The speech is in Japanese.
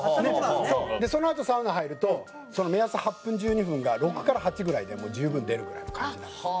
そのあとサウナ入るとその目安８分１２分が６から８ぐらいで十分出るぐらいの感じになるんです。